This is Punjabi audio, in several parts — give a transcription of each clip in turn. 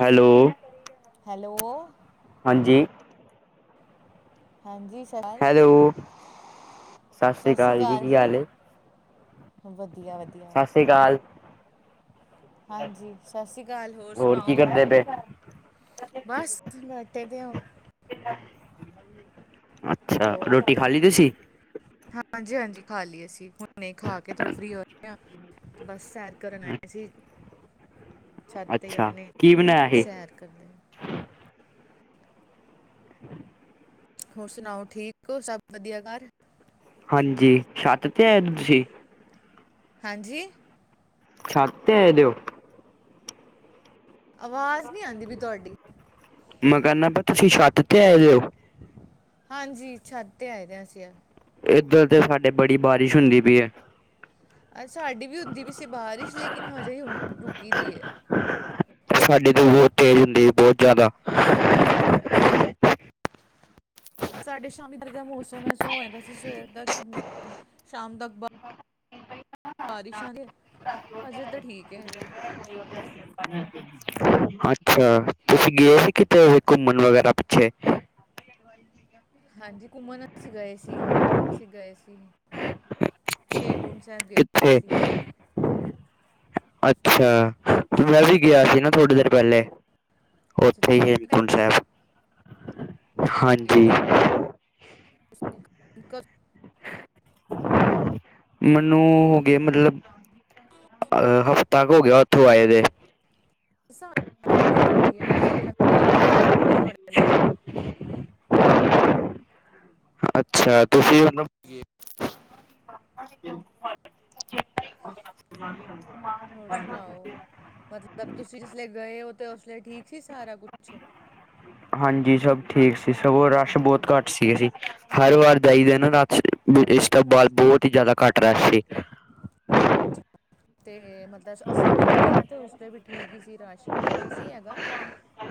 ਹੈਲੋ ਹੈਲੋ ਹਾਂਜੀ ਹਾਂਜੀ ਸਰ ਹੈਲੋ ਸਸ ਸ੍ਰੀ ਕਾਲ ਜੀ, ਕੀ ਹਾਲ ਏ। ਵਧੀਆ-ਵਧੀਆ ਸਤਿ ਸ੍ਰੀ ਅਕਾਲ ਹਾਂਜੀ ਸਸ ਸ੍ਰੀ ਕਾਲ ਹੋਰ ਕੀ ਸੁਣਾਓ। ਕਰਦੇ ਪਏ ਬਸ ਲੇਟੇ ਦੇ ਆ। ਅੱਛਾ ਹੋਰ, ਰੋਟੀ ਖਾ ਲਈ ਤੁਸੀਂ ਹਾਂਜੀ-ਹਾਂਜੀ ਖਾ ਲੀ ਅਸੀ। ਹੁਣੇ ਹੀ ਖਾ ਕੇ ਥੋੜਾ ਫਰੀ ਹੋਏ ਆ ਬਸ ਸੈਰ ਕਰਨ ਆਏ ਸੀ। ਛੱਤ ਤੇ ਅੱਛਾ ਆਪਨੇ ਕੀ ਬਣਾਇਆ ਸੀ ਸੈਰ ਕਰਦੇ ਹੋਰ ਸੁਣਾਓ ਠੀਕ ਹੋ ਸਭ ਵਧੀਆ ਘਰ। ਹਾਂਜੀ ਛੱਤ ਤੇ ਆਏ ਤੁਸੀ। ਹਾਂਜੀ ਛੱਤ ਤੇ ਹੈ ਦੇ ਹੋ। ਆਵਾਜ਼ ਨੀ ਆਂਦੀ ਪਈ ਤੁਹਾਡੀ। ਮੈਂ ਕਰਦਾ ਪਿਆ ਤੁਸੀ ਛੱਤ ਤੇ ਆਏ ਦੇ ਹੋ। ਹਾਂਜੀ ਛੱਤ ਤੇ ਆਏ ਦੇ ਅਸੀ। ਏਧਰ ਤੇ ਸਾਡੇ ਬੜੀ ਬਾਰਿਸ਼ ਹੁੰਦੀ ਪਈ ਏ। ਸਾਡੀ ਵੀ ਹੁੰਦੀ ਪੀ ਸੀ ਬਾਰਿਸ਼ ਲੇਕਿਨ ਹਜੇ ਰੁਕੀ ਦੀ ਏ। ਸਾਡੇ ਤੇ ਬਹੁਤ ਤੇਜ਼ ਹੁੰਦੀ ਹੈ ਬਹੁਤ ਜਾਦਾ। ਸਾਡੇ ਸ਼ਾਮੀ ਇਧਰ ਦਾ ਮੌਸਮ ਐਸਾ ਹੋਇਆ ਦਾ ਸੀ ਸਵੇਰ ਦਾ ਕਿ ਮਤਲਬ ਸ਼ਾਮ ਤੱਕ ਬ ਬਾਰਿਸ਼ ਆਗੇ ਹਜੇ ਤੇ ਠੀਕ ਹੈ। [unintelligible] ਅੱਛਾ ਤੁਸੀ ਗਏ ਸੀ ਕਿਤੇ ਘੁੰਮਣ ਵਗੈਰਾ ਪਿੱਛੇ। ਹਾਂਜੀ ਘੁੰਮਣ ਅਸੀ ਗਏ ਸੀ, ਅਸੀ ਗਏ ਸੀ। ਹੇਮਕੁੰਡ ਸਾਹਿਬ ਗਏ ਸੀ ਕਿੱਥੇ ਅਸੀ। ਅੱਛਾ ਮੈਂ ਵੀ ਗਿਆ ਸੀ ਨਾ ਥੋੜ੍ਹੀ ਦੇਰ ਪਹਿਲੇ। ਅੱਛਾ ਉੱਥੇ ਹੀ ਤੁਸੀਂ ਵੀ ਗਏ ਹੇਮਕੁੰਡ ਸੀ ਸਾਹਿਬ। ਤੇ ਹਾਂਜੀ ਕਰ ਮੈਨੂੰ ਹੋ ਗੇ ਮਤਲਬ ਅਹ ਹਫ਼ਤਾ ਕੁ ਹੋ ਗਿਆ ਉੱਥੋਂ ਆਏ ਦੇ ਤੁਹਾਡੇ ਨਾਲ ਸਾਰੇ ਨਾਲ ਹ ਅੱਛਾ ਤੁਸੀਂ ਉਹਨ ਹੋਰ ਸੁਣਾਓ ਮਤਲਬ ਤੁਸੀਂ ਜਿਥੇ ਗਏ ਹੋ ਤੇ ਉਸ ਠੀਕ ਸੀ ਸਾਰਾ ਕੁਛ ਹਾਂਜੀ ਸਭ ਠੀਕ ਸੀ ਸਗੋਂ ਰਸ਼ ਬਹੁਤ ਘੱਟ ਸੀਗੇ ਸੀ ਹਰ ਵਾਰ ਜਾਈਦਾ ਨਾ ਪਰ ਇਸ ਵਾਰ ਰਸ ਬਹੁਤ ਘੱਟ ਸੀ। ਅੱਛਾ ਤੇ ਮਤਲਬ ਅਸੀਂ ਵੀ ਗਏ ਹਾਂ ਤੇ ਉਸ ਤੇ ਵੀ ਠੀਕ ਹੀ ਸੀ ਰਸ਼ ਇੰਨਾ ਨਹੀਂ ਸੀ ਹੈਗਾ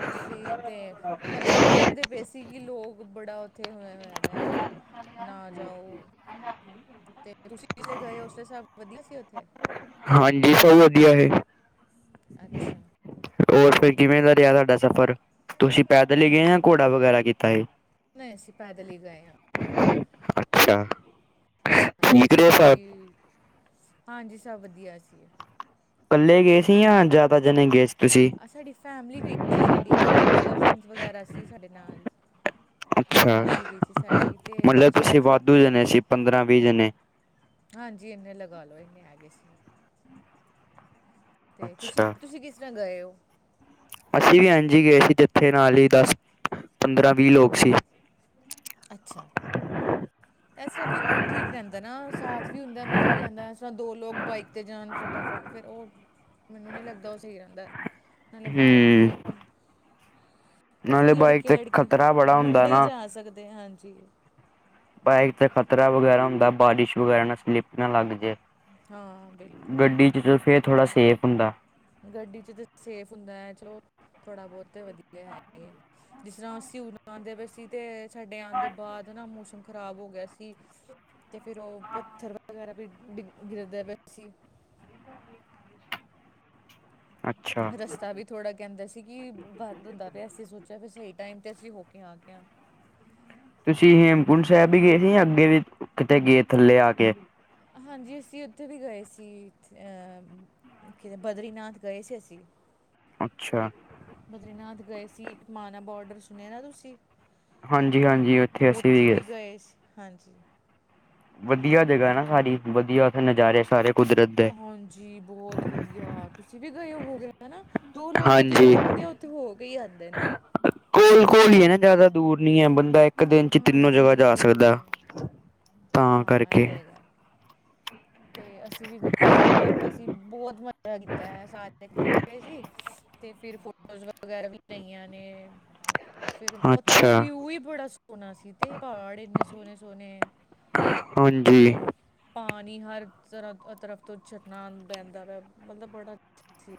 ਅਸੀਂ ਤੇ ਮਤਲਬ ਕਹਿੰਦੇ ਪਏ ਸੀ ਕਿ ਲੋਕ ਬੜਾ ਇੱਥੇ ਹੋਇਆ, ਹੋਇਆ ਦਾ ਹੈ ਨਾ ਜਾਓ। ਤੇ ਤੁਸੀਂ ਜਿਸਲੇ ਗਏ ਉਥੇ ਸਬ ਵਧੀਆ ਸੀ ਉੱਥੇ ਹਾਂਜੀ ਸਭ ਵਧੀਆ ਹੈ। ਅੱਛਾ। ਹੋਰ ਫਿਰ ਕਿਵੇਂ ਦਾ ਰਿਹਾ ਸਾਡਾ ਸਫ਼ਰ ਤੁਸੀਂ ਪੈਦਲ ਹੀ ਗਏ ਜਾਂ ਘੋੜਾ ਵਗੈਰਾ ਕੀਤਾ ਏ ਨਾ ਐਸੀੇ ਪੈਦਲ ਹੀ ਗਏ ਹਾਂ। ਅੱਛਾ। ਹਾਂਜੀ ਠੀਕ ਰਹੇ ਪੈਦਲ ਸਭ ਹੀ ਹਾਂਜੀ ਸਭ ਵਧੀਆ ਸੀ। ਇਕੱਲੇ ਗਏ ਸੀ ਜਾਂ ਜ਼ਿਆਦਾ ਜਣੇ ਗਏ ਸੀ ਤੁਸੀਂ ਆ ਸਾਡੀ ਫੈਮਿਲੀ ਗਈ ਸੀ ਸਾਡੀ ਤਾਂ ਕਿ ਕਜ਼ਨਸ ਵਗੈਰਾ ਸੀ ਸਾਡੇ ਨਾਲ ਅੱਛਾ ਫੈਮਿਲੀ ਗਈ ਸੀ ਸਾਡੀ ਤੇ ਮਤਲਬ ਬੱਚੇ ਸੀ ਤੁਸੀਂ ਵਾਧੂ ਛੋਟੇ ਜਣੇ ਸੀ ਪੰਦਰਾਂ ਵੀਹ ਜਣੇ ਹਾਂਜੀ ਇੰਨੇ ਲਗਾ ਲੋ ਇੰਨੇ ਹੈਗੇ ਸੀ। ਤੇ ਤੁਸੀਂ, ਅੱਛਾ ਤੁਸੀਂ ਕਿਸ ਤਰ੍ਹਾਂ ਗਏ ਹੋ? ਅਸੀਂ ਵੀ ਐੱਜ ਹੀ ਗਏ ਸੀ ਜਿੱਥੇ ਨਾਲ ਹੀ ਦਸ ਪੰਦਰਾਂ ਵੀਹ ਲੋਕ ਸੀ। ਅੱਛਾ। ਹ [unintelligible] ਇਸ ਤਰ੍ਹਾਂ ਫਿਰ ਠੀਕ ਰਹਿੰਦਾ ਨਾ ਸਾਥ ਵੀ ਹੁੰਦਾ ਮਜ਼ਾ ਵੀ ਆਉਂਦਾ ਇਸ ਤਰ੍ਹਾਂ ਦੋ ਲੋਕ ਬਾਈਕ 'ਤੇ ਜਾਣ ਫਟਾਫਟ ਫੇਿਰ ਉਹ ਮੈਨੂੰ ਨੀ ਲੱਗਦਾ ਉਹ ਸਹੀ ਰਹਿੰਦਾ ਨਾਲੇ ਬਾਾਈਕ ਹੂੰ ਤੇ ਉਹ ਫੇਿਰ ਨਾਲੇ ਬਾਈਕ ਲੜਕੇ, ਤੇ ਲੜਕੇ ਖ਼ਤਰਾ ਬੜਾ ਹੁੰਦਾ ਮੁੰਡੇ ਹੀ ਨਾ ਜਾ ਸਕਦੇ ਹਾਂਜੀ। ਬਾਈਕ ਤੇ ਖ਼ਤਰਾ ਵਗੈਰਾ ਹੁੰਦਾ ਬਾਰਿਸ਼ ਵਗੈਰਾ ਨਾ ਸਲਿੱਪ ਨਾ ਲੱਗ ਜੇ ਹਾਂ ਬਿਲਕੁਲ। ਜਦੋ ਫਿਰ ਸੇਫ ਹੁੰਦਾ। ਗੱਡੀ ਚ ਤਾਂ ਸੇਫ ਹੁੰਦਾ ਹੈ ਚਲੋ ਥੋੜ੍ਹਾ ਬਹੁਤ ਵਧੀਆ ਹੈਗਾ ਹੀ ਹੈ। ਜਿਸ ਤਰ੍ਹਾਂ ਹੁਣ ਆਉਂਦੇ ਪਏ ਸੀ ਤੇ ਸਾਡੇ ਆਉਣ ਦੇ ਬਾਅਦ ਨਾ ਮੌਸਮ ਖਰਾਬ ਹੋ ਗਿਆ ਸੀ। ਤੇ ਫਿਰ ਉਹ ਪੱਥਰ ਵਗੈਰਾ ਵੀ ਗਿਰਦਾ ਪਿਆ ਸੀ। ਅੱਛਾ ਰਸਤਾ ਵੀ ਥੋੜ੍ਹਾ ਕਹਿੰਦਾ ਸੀ। ਕਿ ਬੰਦ ਹੁੰਦਾ ਪਿਆ ਅਸੀਂ ਸੋਚਿਆ ਫਿਰ ਸਹੀ ਟਾਈਮ 'ਤੇ ਅਸੀਂ ਹੋ ਕੇ ਆ ਗਏ ਆ ਤੁਸੀਂ ਹੇਮਕੁੰਟ ਸਾਹਿਬ ਵੀ ਗਏ ਸੀ ਅੱਗੇ ਵੀ ਕਿਤੇ ਗਏ ਥੱਲੇ ਆ ਕੇ ਹਾਂਜੀ ਅਸੀਂ ਉੱਥੇ ਵੀ ਗਏ ਸੀ। ਤੇ ਬਦਰੀਨਾਥ ਗਏ ਸੀ ਅਸੀਂ। ਅੱਛਾ। ਬਦਰੀਨਾਥ ਗਏ ਸੀ ਇੱਕ ਮਾਨਾ ਬਾਰਡਰ ਸੁਣਿਆ ਨਾ ਤੁਸੀਂ ਉੱਥੇ ਵੀ ਗਏ ਸੀ ਹਾਂਜੀ। ਵਧੀਆ ਜਗ੍ਹਾ ਨਾ ਸਾਰੀ ਵਧੀਆ ਉਥੇ ਨਜ਼ਾਰੇ ਸਾਰੇ ਕੁਦਰਤ ਦੇ ਜੀ ਬਹੁਤ ਵਧੀਆ ਤੁਸੀਂ ਵੀ ਗਏ ਹੋ ਹੋ ਗਏ ਹਨਾ ਦੋ ਲੋਕ ਉੱਥੇ ਹਾਂਜੀ ਜਾਦੇ ਆ। ਤੇ ਹੋ ਕੇ ਹੀ ਆਉਂਦੇ ਨੇ। ਕੋਲ ਕੋਲ ਹੀ ਹੈ ਨਾ ਜ਼ਿਆਦਾ ਦੂਰ ਨਹੀਂ ਹੈ ਬੰਦਾ ਇੱਕ ਇੱਕ ਦਿਨ ਚ ਤਿੰਨੋ ਜਗ੍ਹਾ ਹਾਂਜੀ ਜਾ ਦੂਰ ਸਕਦਾ ਨੇ ਤਾਂ ਹਾਂ ਇਹ ਕਰਕੇ। ਤੇ ਹੈਗਾ ਤੇ ਅਸੀਂ ਵੀ ਗਏ ਸੀ। ਮਤਲਬ ਅਸੀਂ ਬਹੁਤ ਮਜ਼ਾ ਕੀਤਾ ਐ। ਸਾਰੇ ਇਕੱਠੇ ਗਏ ਸੀ। ਤੇ ਫਿਰ ਫੋਟੋਜ਼ ਵਗੈਰਾ ਵੀ ਕਰਾਈਆਂ ਨੇ। ਫਿਰ ਓਥੇ ਦਾ ਅੱਛਾ ਵਿਊ ਹੀ ਬੜਾ ਸੋਹਣਾ ਸੀ ਤੇ ਪਹਾੜ ਇੰਨੇ ਸੋਹਣੇ-ਸੋਹਣੇ ਹਾਂਜੀ। ਠੀਕ ਪਾਣੀ ਹਰ ਤਰ੍ਹਾਂ ਤਰਫ ਤੋਂ ਚਰਣਾ ਪੈਂਦਾ ਵਾ ਮਤਲਬ ਬੜਾ ਸੀ।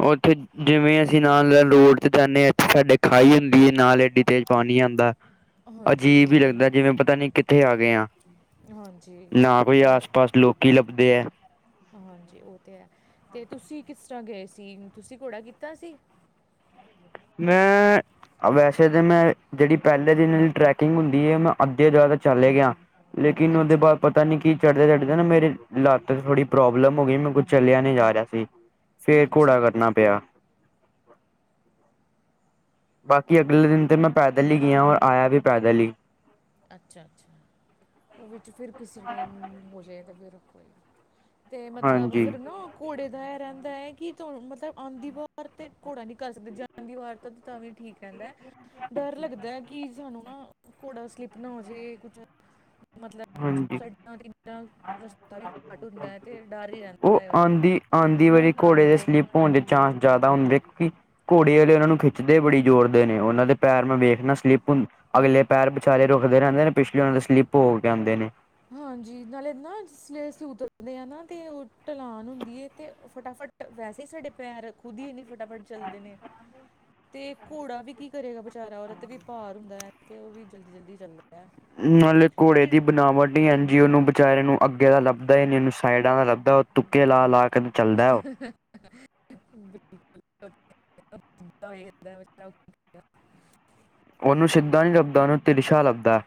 ਹੁ ਉੱਥੇ ਜਿਵੇਂ ਅਸੀਂ ਨਾਲ ਰੋਡ ਚ ਜਾਂਦੇ ਹਾਂ। ਇਥੇ ਸਾਡੇ ਖਾਈ ਹੁੰਦੀ ਹੈ ਨਾਲ ਏਡੀ ਤੇਜ਼ ਪਾਣੀ ਆਉਂਦਾ। ਹਾਂਜੀ ਅਜੀਬ ਹੀ ਬਿਲਕੁਲ ਲੱਗਦਾ ਜਿਵੇਂ ਪਤਾ ਨਹੀਂ ਕਿ ਕਿੱਥੇ ਆ ਗਏ ਆ? ਹਾਂਜੀ ਨਾ ਕੋਈ ਯਾਰ ਆਸ ਪਾਸ ਲੋਕੀ ਲੱਭਦੇ ਹੈ। ਹਾਂਜੀ ਉਹ ਤੇ ਹੈ ਤੇ ਤੁਸੀਂ ਕਿਸ ਤਰ੍ਹਾਂ ਗਏ ਸੀ? ਤੁਸੀਂ ਘੋੜਾ ਕੀਤਾ ਸੀ? ਮੈਂ ਵੈਸੇ ਤਾਂ ਮੈਂ ਜਿਹੜੀ ਪਹਿਲੇ ਦਿਨ ਟਰੈਕਿੰਗ ਹੁੰਦੀ ਹੈ ਮੈਂ ਅੱਧੇ ਜਿਆਦਾ ਚੱਲ ਗਿਆ। ਲੇਕਿਨ ਉਹਦੇ ਅੱਛਾ ਬਾਅਦ ਪਤਾ ਨਹੀਂ ਕੀ ਚੜ੍ਹਦੇ ਚੜ੍ਹਦੇ ਨਾ ਮੇਰੇ ਲੱਤ ਚ ਥੋੜੀ ਪ੍ਰੋਬਲਮ ਹੋ ਗਈ। ਮੇਰੇ ਕੋ ਚੱਲਿਆ ਨਹੀਂ ਜਾ ਰਿਹਾ ਸੀ। ਫਿਰ ਘੋੜਾ ਅੱਛਾ ਕਰਨਾ ਪਿਆ। ਬਾਕੀ ਅਗਲੇ ਦਿਨ ਤੇ ਮੈਂ ਪੈਦਲ ਹੀ ਗਿਆ ਔਰ ਆਇਆ ਵੀ ਪੈਦਲ ਹੀ। ਅੱਛਾ ਅੱਛਾ। ਉਹ ਵਿੱਚ ਫਿਰ ਕਿਸੇ ਟਾਈਮ ਹੋ ਜਾਵੇ ਤਾਂ ਫਿਰ ਤੇ ਮਤਲਬ ਹਾਂਜੀ ਫਿਰ ਨਾ। ਘੋੜੇ ਦਾ ਇਹ ਰਹਿੰਦਾ ਹੈ ਕਿ ਤੁਹਾਨੂੰ ਮਤਲਬ ਆਉਂਦੀ ਵਾਰ ਤੇ ਘੋੜਾ ਨਹੀਂ ਕਰ ਸਕਦੇ ਜਾਂ ਦੀ ਵਾਰ ਤਾਂ ਤਾਂ ਵੀ ਠੀਕ ਰਹਿੰਦਾ ਹੈ। ਡਰ ਲੱਗਦਾ ਹੈ ਕਿ ਸਾਨੂੰ ਨਾ ਘੋੜਾ ਸਲਿਪ ਨਾ ਹੋਜੇ ਕੁਛ ਮਤਲਬ ਹਾਂਜੀ ਸਾਈਡਾਂ ਤੋਂ ਇੱਦਾਂ ਰਸਤਾ ਵੀ ਘੱਟ ਹੁੰਦਾ ਹੈ ਤੇ ਡਰ ਹੀ ਰਹਿੰਦਾ ਉਹ ਹੈ ਉਹਦਾ। ਆਉਂਦੀ ਆਉਂਦੀ ਵਾਰੀ ਘੋੜੇ ਦੇ ਸਲਿੱਪ ਹੋਣ ਦੇ ਚਾਂਸ ਜ਼ਿਆਦਾ ਹੁੰਦੇ ਕਿਉਂਕਿ ਘੋੜੇ ਵਾਲੇ ਉਹਨਾਂ ਨੂੰ ਖਿੱਚਦੇ ਬੜੀ ਜ਼ੋਰਦੇ ਨੇ। ਉਹਨਾਂ ਦੇ ਪੈਰ ਮੈਂ ਵੇਖਣਾ ਸਲਿੱਪ ਹੁੰ ਅਗਲੇ ਪੈਰ ਵਿਚਾਲੇ ਰੁਕਦੇ ਰਹਿੰਦੇ ਨੇ। ਪਿਛਲੇ ਉਹਨਾਂ ਦੇ ਸਲਿੱਪ ਹੋ ਕੇ ਆਉਂਦੇ ਨੇ। ਹਾਂਜੀ ਨਾਲੇ ਨਾ ਜਿਸ ਅਸੀਂ ਉਤਰਦੇ ਹਾਂ ਨਾ ਤੇ ਉਹ ਢਲਾਨ ਹੁੰਦੀ ਹੈ ਤੇ ਫਟਾਫਟ ਵੈਸੇ ਹੀ ਸਾਡੇ ਪੈਰ ਖੁਦ ਹੀ ਇੰਨੀ ਫਟਾਫਟ ਚੱਲਦੇ ਨੇ। ਤੇ ਘੋੜਾ ਵੀ ਕੀ ਕਰੇਗਾ ਵਿਚਾਰਾ ਉਹਦੇ ਤੇ ਵੀ ਭਾਰ ਹੁੰਦਾ ਹੈ ਤੇ ਉਹ ਵੀ ਜਲਦੀ-ਜਲਦੀ ਚੱਲਦਾ। ਹੈ ਨਾਲੇ ਘੋੜੇ ਦੀ ਫਿਰ ਬਣਾਵਟ ਇੰਝ ਈ ਉਹਨੂੰ ਵਿਚਾਰੇ ਨੂੰ ਅੱਗੇ ਦਾ ਲੱਭਦਾ ਹੀ ਨਹੀਂ ਉਹਨੂੰ ਸਾਈਡਾਂ ਦਾ ਲੱਭਦਾ ਉਹ ਤੁੁੱਕੇ ਲਾ ਲਾ ਕੇ ਚੱਲਦਾ ਉਹ ਬਿਲਕੁਲ [inaudible] ਉਹਨੂੰ ਸਿੱਧਾ ਨਹੀਂ ਲੱਭਦਾ ਉਹਨੂੰ ਤਿਲਸ਼ਾ ਲੱਭਦਾ।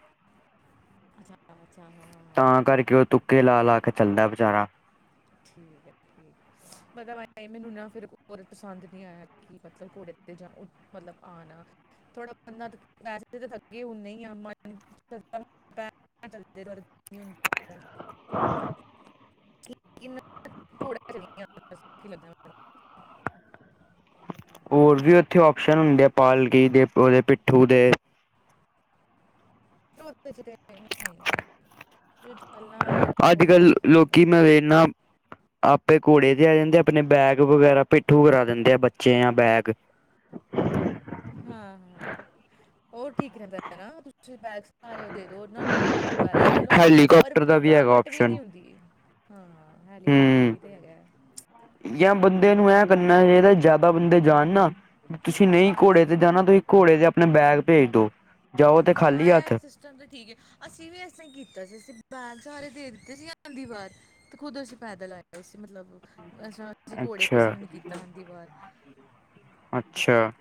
ਅੱਛਾ ਅੱਛਾ ਹਾਂ ਹਾਂ, ਤਾਂ ਹਾਂ ਕਰਕੇ ਉਹ ਤੁਕੇ ਲਾ ਲਾ ਕੇ ਚੱਲਦਾ ਐ ਵਿਚਾਰਾ। ਠੀਕ ਹੈ ਠੀਕ। ਪਤਾ ਮੈਨੂੰ ਨਾ ਫਿਰ ਪਸੰਦ ਨਹੀਂ ਆਇਆ ਕਿ ਮਤਲਬ ਘੋੜੇ ਤੇ ਜਾਂ ਮਤਲਬ ਆਉਣਾ ਥੋੜਾ ਬੰਦਾ ਵੈਸੇ ਤਾਂ ਥਕੇ ਹੁੰਦੇ ਈ ਆ [inaudible] [inaudible] ਹ [inaudible] ਹੋਰ ਵੀ ਉੱਥੇ ਆਪਸ਼ਨ ਹੁੰਦੇ ਆ। ਪਾਲਕੀ ਦੇ ਉਹਦੇ ਪਿੱਠੂ ਦੇ। [inaudible] [inaudible] ਗੱਲਾਂ ਅੱਜ ਕੱਲ੍ਹ ਲੋਕੀ ਮੈਂ ਵੇਖਦਾ ਆਪੇ ਘੋੜੇ ਤੇ ਆ ਜਾਂਦੇ। ਆਪਣੇ ਬੈਗ ਵਗੈਰਾ ਪਿੱਠੂ ਕਰਾ ਦਿੰਦੇ ਆ ਬੱਚੇ ਜਾਂ ਬੈਗ। ਹਾਂ ਹਾਂ ਹਾਂ ਉਹ ਠੀਕ ਰਹਿੰਦਾ ਨਾ ਤੁਸੀਂ ਸਾਰੇ ਦੇ ਦਉ ਉਹਨਾਂ ਨੂੰ ਔਰ ਖੁਦ ਪੈਦਲ ਚਲੋ ਔਰ ਹੈਲੀਕਾਪਟਰ ਦਾ ਹੈਗਾ ਥਕਾਵਟ ਵੀ ਆਪਸ਼ਨ ਨਹੀਂ ਹੁੰਦੀ। ਹਾਂ ਹੈਲੀਕੋਪਟਰ ਹੂੰ ਵੀ ਤੇ ਹੈਗਾ ਹੈ। ਜਾਂ ਬੰਦੇ ਨੂੰ ਐ ਕਰਨਾ ਚਾਹੀਦਾ ਐ ਜ਼ਿਆਦਾ ਬੰਦੇ ਜਾਣ ਨਾ। ਤੁਸੀਂ ਨਹੀਂ ਘੋੜੇ ਹਾਂਜੀ ਤੇ ਜਾਣਾ। ਤੁਸੀਂ ਘੋੜੇ ਤੇ ਆਪਣੇ ਬੈਗ ਭੇਜ ਦਿਉ। ਹਾਂ ਆ ਸ ਚਲੋ ਠੀਕ ਏ ਅਸੀਂ ਵੀ ਇਸ ਤਰਾਂ ਕੀਤਾ ਸੀ ਅਸੀਂ ਬੈਗ ਸਾਰੇ ਦੇ ਦਿੱਤੇ ਸੀ ਆਂਦੀ ਵਾਰ। ਤੇ ਖੁਦ ਅਸੀਂ ਪੈਦਲ ਆਇਆ ਸੀ ਮਤਲਬ ਅ ਅਸੀਂ ਘੋੜੇ ਅੱਛਾ ਕਿਸੇ ਨੇ ਨੀ ਕੀਤਾ ਆਉਦੀ ਵਾਰ। ਅੱਛਾ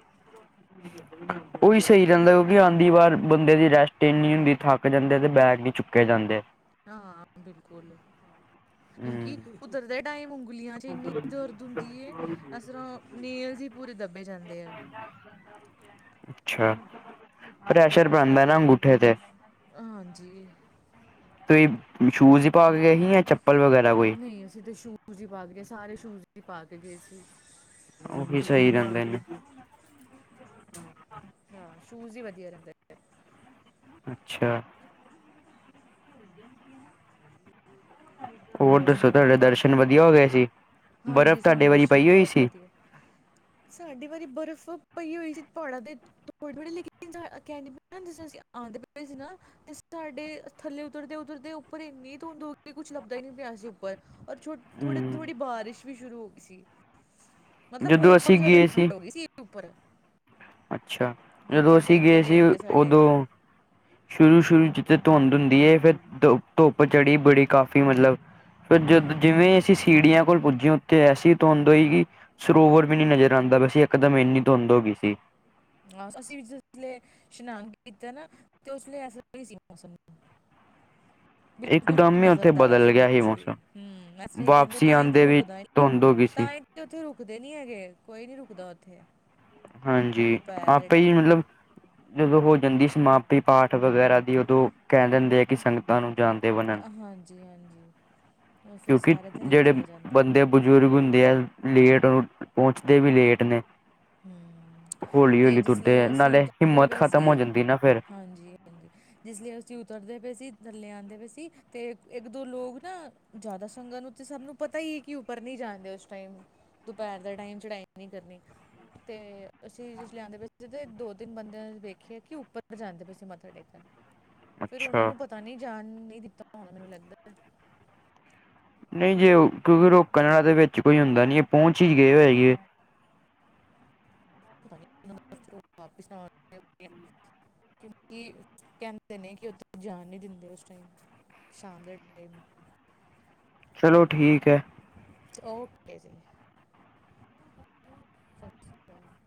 ਉਹੀ ਸਹੀ ਰਹਿੰਦਾ ਉਹ ਵੀ ਆਉਂਦੀ ਵਾਰ ਬੰਦੇ ਦੀ ਰੈਸਟ ਇੰਨੀ ਹੁੰਦੀ ਥੱਕ ਜਾਂਦੇ ਤੇ ਬੈਗ ਨੀ ਚੁੱਕੇ ਜਾਂਦੇ। ਹਾਂ ਬਿਲਕੁਲ ਹੂੰ ਕਿਉਂਕਿ ਉਤਰਦੇ ਟਾਈਮ ਉਂਗਲੀਆਂ ਚ ਇੰਨੀ ਦਰਦ ਹੁੰਦੀ ਹੈ ਜਿਸ ਤਰ੍ਹਾਂ ਨੀਲ ਜਿਹੇ ਹੀ ਪੂਰੇ ਦੱਬੇ ਜਾਂਦੇ ਆ। ਅੱਛਾ ਪ੍ਰੈਸ਼ਰ ਆਉਂਦਾ ਅਗੂਠੇ ਤੇ। ਹਾਂਜੀ ਕੋਈ ਸ਼ੂਜ਼ ਹੀ ਪਾ ਕੇ ਗਈ ਏ ਜਾਂ ਚੱਪਲ ਵਗੈਰਾ ਕੋਈ। ਨਹੀਂ ਅਸੀਂ ਤੇ ਸ਼ੂਜ ਹੀ ਪਾ ਕੇ ਗਏ ਸਾਰੇ ਸ਼ੂਜ ਹੀ ਪਾ ਕੇ ਗਏ ਸੀ। ਉਹੀ ਸਹੀ ਰਹਿੰਦੇ ਨੇ। ਹਾਂ ਸ਼ੂਜ ਵੀ ਵਧੀਆ ਰਹਿੰਦਾ। ਅੱਛਾ ਹੋਰ ਦੱਸੋ ਸੁਣਾਓ ਤੁਹਾਡੇ ਘਰ ਦਰਸ਼ਨ ਵਧੀਆ ਹੋ ਗਏ ਸੀ ਬਰਫ਼ ਹਾਂਜੀ ਸਾਨੂੰ ਤੁਹਾਡੇ ਵਾਰੀ ਦਰਸ਼ਨ ਪਈ ਹੋਈ ਬਹੁਤ ਸੀ। ਵਧੀਆ [unintelligible] ਸਾਡੀ ਵਾਰੀ ਬਰਫ਼ ਪਈ ਹੋਈ ਸੀ। ਪਹਾੜਾਂ ਤੇ [inaudible] ਸਾਡੇ ਥੱਲੇ ਉਤਰਦੇ- ਉਤਰਦੇ ਉੱਪਰ ਇੰਨੀ ਧੁੰਦ ਹੋ ਗਈ ਕੁੱਛ ਲੱਭਦਾ ਹੀ ਨੀ ਪਿਆ ਦੇ ਉੱਪਰ ਔਰ ਥੋੜੀ ਹਮ ਥੋੜੀ ਬਾਰਿਸ਼ ਵੀ ਸ਼ੁਰੂ ਹੋ ਗਈ ਸੀ। ਮਤਲਬ ਜਦੋਂ ਹੋਰ ਅਸੀਂ ਜ਼ਿਆਦਾ ਗਏ ਠੰਡ ਹੋ ਗਈ ਸੀ ਉੱਪਰ। ਅੱਛਾ, ਜਦੋਂ ਮੱਥਾ ਅਸੀਂ ਗਏ ਟੇਕਦੇ ਸੀ ਟੇਕਦੇ ਸਾਡੇ ਉਦੋਂ। ਸ਼ੁਰੂ ਸ਼ੁਰੂ ਚ ਤੇ ਧੁੰਦ ਹੁੰਦੀ ਹੈ ਫਿਰ ਧੁ ਧੁੱਪ ਚੜੀ ਬੜੀ ਕਾਫ਼ੀ ਮਤਲਬ। ਫਿਰ ਜਦੋਂ ਹੂੰ ਜਿਵੇਂ ਅਸੀਂ ਸੀੜੀਆਂ ਕੋਲ ਪਹੁੰਚੇ ਉੱਥੇ ਐਸੀ ਧੁੰਦ ਹੋਈ ਕਿ। ਸਰੋਵਰ ਵੀ ਨੀ ਨਜ਼ਰ ਆਉਂਦਾ ਪਾਇਆ ਇੱਕ ਦਮ ਇੰਨੀ ਧੁੰਦ ਹੋ ਗਈ ਸੀ। ਹਾਂ ਅਸੀਂ ਜਿਸ ਵੇਲੇ ਇਸ਼ਨਾਨ ਕੀਤਾ ਨਾ ਤੇ ਉਸ ਵੇਲੇ ਐਸਾ ਹੀ ਸੀ ਮੌਸਮ। ਬਿਲਕੁਲ ਹੀ ਨਈ ਇਕਦਮ ਨਜ਼ਰ ਉੱਥੇ ਆਉਂਦਾ ਬਦਲ ਵੈਸੇ ਗਿਆ ਸੀ ਕੁਛ ਵੀ ਮੌਸਮ ਹਮ ਵੈਸੇ ਕਹਿੰਦੇ ਵਾਪਸੀ ਤਾਂ ਹੀ ਤੇ ਆਉਂਦੇ ਵੀ ਰੁਕਦਾ ਹੀ ਧੁੰਦ ਹੋ ਗਈ ਸੀ ਤਾਂ। ਤੇ ਉੱਥੇ ਰੁਕਦੇ ਨੀ ਹੈਗੇ ਕੋਈ ਨੀ ਰੁਕਦਾ ਉੱਥੇ। ਹਾਂਜੀ ਦੁਪਹਿਰ ਦੇ ਆਪੇ ਹੀ ਟਾਈਮ ਮਤਲਬ। ਜਦੋਂ ਹੋ ਜਾਂਦੀ ਸਮਾਪਤੀ ਪਾਠ ਵਗੈਰਾ ਦੀ ਉਦੋਂ ਕਹਿ ਦਿੰਦੇ ਆ ਕਿ ਸੰਗਤ। ਨੂੰ ਜਾਣਦੇ ਵਾਲ ਹਾਂਜੀ, ਹਾਂਜੀ ਉਹ ਫਿਰ ਕਿਉਂਕਿ ਸਾਰੇ ਥੱਲੇ ਜਿਹੜੇ ਚਲੇ ਜਾਂਦੇ ਆ। ਬੰਦੇ ਬਜ਼ੁਰਗ ਹੁੰਦੇ ਆ, ਲੇਟ ਉਹ ਪਹੁੰਚਦੇ ਵੀ ਲੇਟ ਨੇ। ਹੂੰ ਹੌਲੀ ਤੇ ਹੌਲੀ ਤੁਰਦੇ ਆ ਜਿਸਲੇ ਅਸੀਂ ਨਾਲੇ ਉਤਰਦੇ ਹਿੰਮਤ ਪਏ ਖਤਮ ਹੋ ਸੀ ਜਾਂਦੀ ਨਾ ਫ਼ੇਰ। ਹਾਂਜੀ ਜਿਸ ਲਈ ਅਸੀਂ ਉਤਰਦੇ ਪਏ ਸੀ ਥੱਲੇ ਆਉਂਦੇ ਪਏ ਸੀ ਤੇ ਇੱਕ ਦੋ ਲੋਕ ਨਾ। ਜ਼ਿਆਦਾ ਸੰਗਤ ਨੂੰ ਤੇ ਸਭ ਨੂੰ ਪਤਾ ਹੀ ਹੈ ਕਿ ਉੱਪਰ ਨਈ ਜਾਂਦੇ ਉਸ ਟਾਈਮ ਦੁਪਹਿਰ ਦਾ ਟਾਈਮ ਚੜਾਈ ਨਹੀਂ ਕਰਨੀ। ਤੇ ਅਸੀਂ ਜਿਸਲੇ ਆਦੇ ਪਏ ਸੀ ਤੇ ਦੋ ਤਿੰਨ ਬੰਦੇ ਵੇਖੇ ਕਿ ਉੱਪਰ ਜਾਂਦੇ ਪਏ ਸੀ ਮੱਥਾ ਟੇਕਣ। ਫਿਰ ਉਹਨਾ ਅੱਛਾ ਨੂੰ ਪਤਾ ਨੀ ਜਾਣ ਨਹੀਂ ਦਿੱਤਾ ਹੋਣਾ ਮੈਨੂੰ ਲੱਗਦਾ। ਨਈ ਜੇ ਉਹ ਕਿਉਂਕਿ ਰੋਕਣ ਵਾਲਾ ਦੇ ਵਿੱਚ ਕੋਈ ਹੁੰਦਾ ਨਹੀਂ। ਪਹੁੰਚ ਹੀ ਗਏ ਹੋਏਗੇ [inaudible] ਕਿਉਂਕਿ ਕਹਿੰਦੇ ਨੇ, ਕਿ ਓਦਰ ਜਾਣ ਨਹੀਂ ਦਿੰਦੇ ਉਸ ਟਾਈਮ ਸ਼ਾਮ ਦੇ ਟਾਈਮ ਚਲੋ ਠੀਕ ਹੈ। ਓਕੇ ਜੀ। ਸਤਿ ਸ਼੍ਰੀ ਅਕਾਲ